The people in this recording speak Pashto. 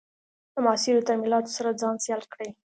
له معاصرو تمایلاتو سره ځان سیال کړي.